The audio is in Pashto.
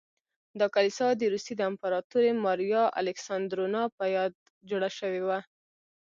دا کلیسا د روسیې د امپراتورې ماریا الکساندرونا په یاد جوړه شوې وه.